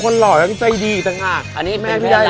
คนหล่อยของใจดีจากงานแม่คือเร็วเหรอ